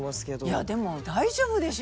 いやでも大丈夫でしょ。